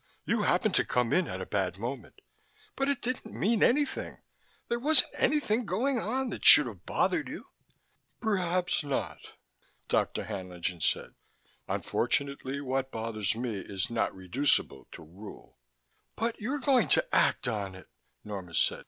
You happened to come in at a bad moment, but it didn't mean anything, there wasn't anything going on that should have bothered you...." "Perhaps not," Dr. Haenlingen said. "Unfortunately, what bothers me is not reducible to rule." "But you're going to act on it," Norma said.